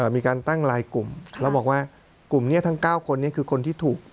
มีการตั้งลายกลุ่มแล้วบอกว่ากลุ่มนี้ทั้ง๙คนนี้คือคนที่ถูก